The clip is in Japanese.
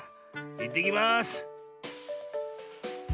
いってきます。